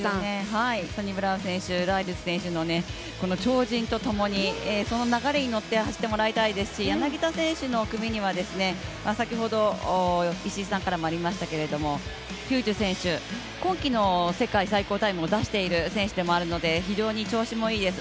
サニブラウン選手、ライルズ選手の超人とともにその流れに乗って走ってもらいたいですし、柳田選手の組には先ほど石井さんからもありましたけれども、ヒューズ選手、今季の世界最高タイムを出している選手でもあるので、非常に調子もいいです。